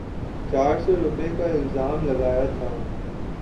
چار سو روپے کا الزام لگایا تھا۔